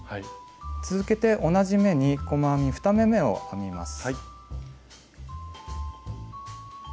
続けて同じ目に細編み２目めを編みます。